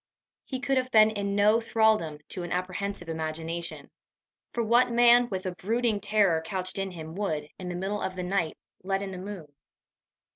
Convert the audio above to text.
He could have been in no thraldom to an apprehensive imagination; for what man, with a brooding terror couched in him, would, in the middle of the night, let in the moon?